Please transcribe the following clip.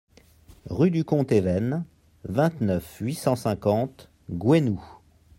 Rue du Comte Even, vingt-neuf, huit cent cinquante Gouesnou